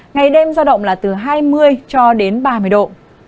ngày đêm giao động là từ hai mươi cho đến ba mươi độ